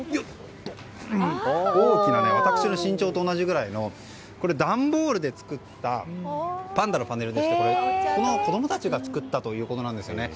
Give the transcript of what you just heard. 大きくて私の身長と同じぐらいの段ボールで作ったパンダのパネルでして子供たちが作ったということです。